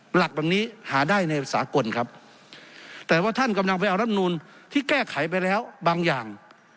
หลักแบบนี้หาได้ในสากลครับแต่ว่าท่านกำลังไปเอารำนูลที่แก้ไขไปแล้วบางอย่าง